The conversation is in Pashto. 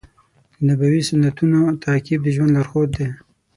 د نبوي سنتونو تعقیب د ژوند لارښود دی.